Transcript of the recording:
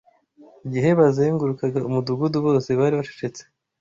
Igihe bazengurukaga umudugudu bose bari bacecetse